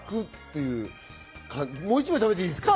もう一枚食べていいですか？